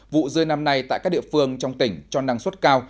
vụ rươi năm nay tại các địa phương trong tỉnh cho năng suất cao